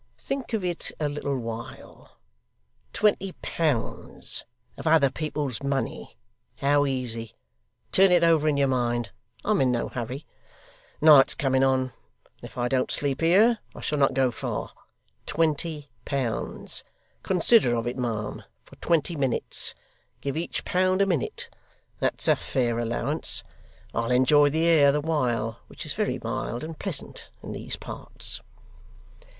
Think of it a little while. Twenty pounds of other people's money how easy! Turn it over in your mind. I'm in no hurry. Night's coming on, and if I don't sleep here, I shall not go far. Twenty pounds! Consider of it, ma'am, for twenty minutes; give each pound a minute; that's a fair allowance. I'll enjoy the air the while, which is very mild and pleasant in these parts.